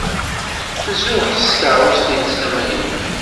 Tzuxx s tkeṛṛust-nnes tamaynut.